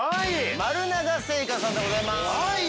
「丸永製菓」さんでございます。